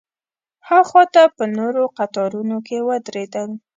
ها خوا ته په نورو قطارونو کې ودرېدل.